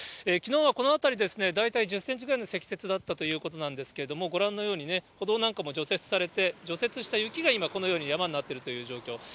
きのうはこの辺りですね、大体１０センチぐらいの積雪だったということなんですけれども、ご覧のように、歩道なんかも除雪されて、除雪された雪が、このように山になっているという状況。